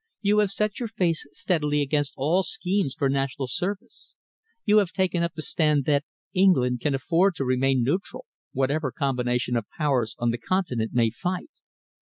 You have set your face steadily against all schemes for national service. You have taken up the stand that England can afford to remain neutral, whatever combination of Powers on the Continent may fight.